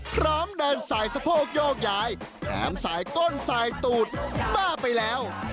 พร้อมเดินใส่สะโพกโยกยายแถมใส่ก้นใส่ตูดบ้าไปแล้ว